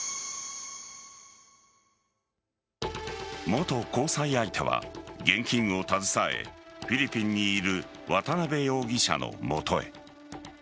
元交際相手は現金を携えフィリピンにいる渡辺容疑者の元へ。